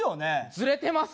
ずれてます？